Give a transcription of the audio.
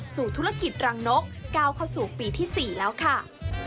ธุรกิจรังนกก้าวเข้าสู่ปีที่๔แล้วค่ะ